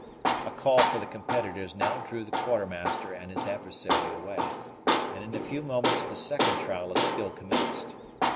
A call for the competitors now drew the Quartermaster and his adversary away, and in a few moments the second trial of skill commenced.